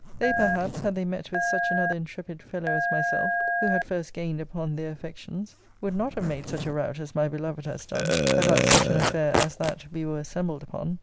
They perhaps, had they met with such another intrepid fellow as myself, who had first gained upon their affections, would not have made such a rout as my beloved has done, about such an affair as that we were assembled upon.